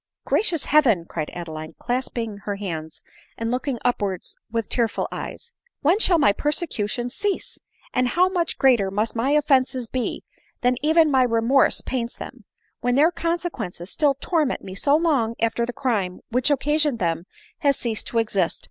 " Gracious Heaven !" cried Adeline, clasping her hands and looking upwards with tearful eyes, " when shall my persecutions cease ! and how much greater must my offences be than even my remorse paints them, when their consequences still torment me so long after the crime which occasioned them has ceased to exist